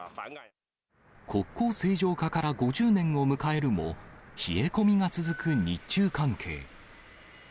国交正常化から５０年を迎えるも、冷え込みが続く日中関係。